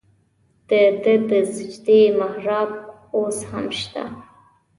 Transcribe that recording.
د ده د سجدې محراب اوس هم شته.